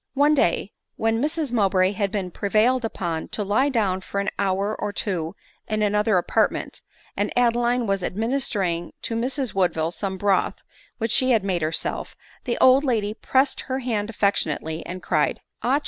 One day, when Mrs Mowbray had been prevailed upon to lie down for an hour or two in another apartment, and Adeline was administering to Mrs Woodville some broth tfhich she bad made herself, the old lady pressed her band affectionately, and cried, " Ah